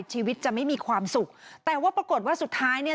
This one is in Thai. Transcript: ชีวิตจะไม่มีความสุขแต่ว่าปรากฏว่าสุดท้ายเนี่ย